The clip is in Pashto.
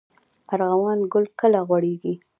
ارغوان ګل کله غوړیږي؟